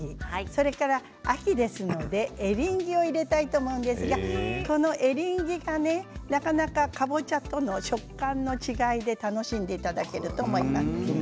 それから秋ですのでエリンギを入れたいと思うんですが、このエリンギがねなかなか、かぼちゃとの食感の違い楽しんでいただけると思います。